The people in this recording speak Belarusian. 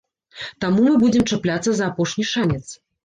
Таму мы будзем чапляцца за апошні шанец.